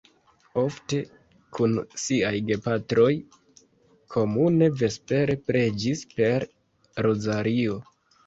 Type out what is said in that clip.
Ofte kun siaj gepatroj komune vespere preĝis per rozario.